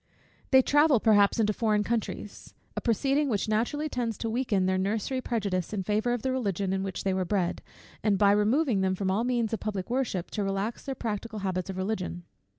They travel, perhaps, into foreign countries; a proceeding which naturally tends to weaken their nursery, prejudice in favour of the Religion in which they were bred, and by removing them from all means of public worship, to relax their practical habits of Religion.